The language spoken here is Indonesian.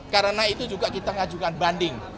karena itu juga kita ajukan banding